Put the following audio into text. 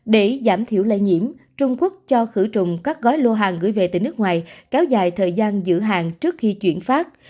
để giảm thiểu lây nhiễm trung quốc cho khử trùng các gói lô hàng gửi về từ nước ngoài kéo dài thời gian giữ hàng trước khi chuyển phát